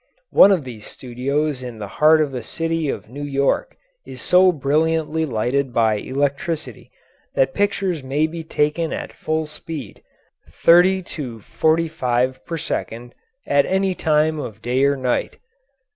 One of these studios in the heart of the city of New York is so brilliantly lighted by electricity that pictures may be taken at full speed, thirty to forty five per second, at any time of day or night.